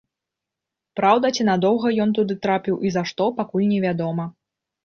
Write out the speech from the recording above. Праўда, ці надоўга ён туды трапіў і за што, пакуль невядома.